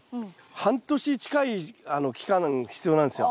半年近い期間必要なんですよ。